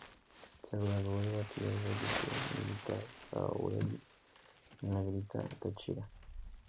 Se graduó de bachiller en el Liceo Militar Jáuregui, en La Grita, Táchira.